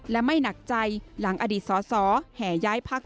และไม่หนักใจหลังอดีตสอสอแห่ย้ายพัก